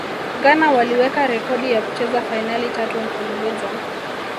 ghana waliweka rekodi ya kucheza fainali tatu mfululizo